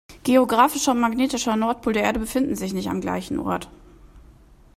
Geographischer und magnetischer Nordpol der Erde befinden sich nicht am gleichen Ort.